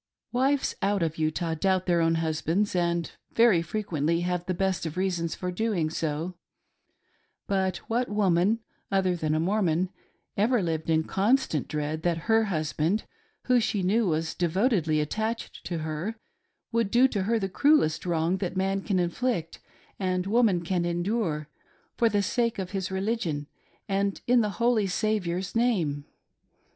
Wives out of Utah doubt their own husbands, and very frequently have the best of reasons for doing so, but what woman, other than a Mormon, ever lived in constant dread that her husband, who she knew was devotedly attached to her, would do to her the, cruellest wrong that man can inflict and woman can endure, for the sake of his religion and in the holy Saviour's name